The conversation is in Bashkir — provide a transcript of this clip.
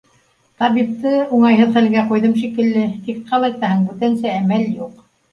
Табипты уңайһыҙ хәлгә ҡуйҙым шикелле, тик ҡалайтаһың, бүтәнсә әмәл юҡ.